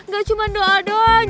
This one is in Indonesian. gak cuman doa doang